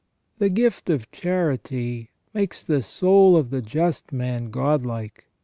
The gift of charity makes the soul of the just man godlike.